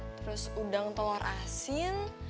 terus udang telur asin